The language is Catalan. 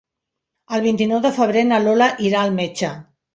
El vint-i-nou de febrer na Lola irà al metge.